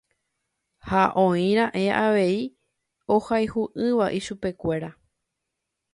Ha oira'e avei ohayhu'ỹva ichupekuéra.